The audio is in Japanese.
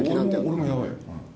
俺もやばい。